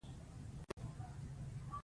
شننه به بشپړه شي.